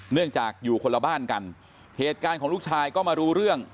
เนื่องจากอยู่คนละบ้านกันเหตุการณ์ของลูกชายก็มารู้เรื่อง